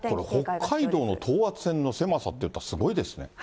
北海道の等圧線の狭さといったらすごいですね。